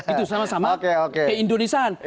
itu sama sama keindonesian